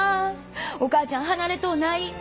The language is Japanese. お母ちゃん離れとうない。